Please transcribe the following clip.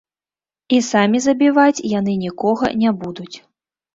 І самі забіваць яны нікога не будуць.